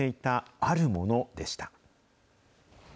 あるものでした。